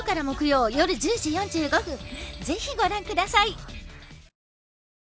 ぜひご覧下さい。